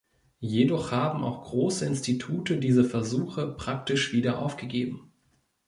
Jedoch haben auch große Institute diese Versuche praktisch wieder aufgegeben.